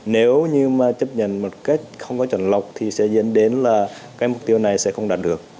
nếu như mà chấp nhận một cách không có chuẩn lọc thì sẽ dẫn đến là cái mục tiêu này sẽ không đạt được